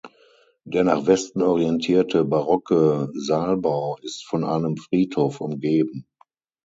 Der nach Westen orientierte barocke Saalbau ist von einem Friedhof umgeben.